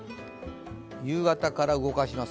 夕方から動かします。